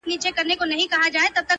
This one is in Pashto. سپين گل د بادام مي د زړه ور مـات كړ;